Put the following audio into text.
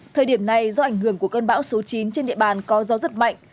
thời điểm này do ảnh hưởng của cơn bão số chín trên địa bàn có gió rất mạnh